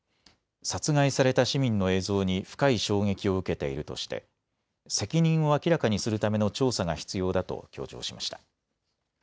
殺害された市民の映像に深い衝撃を受けているとして責任を明らかにするための調査が必要だと強調しました。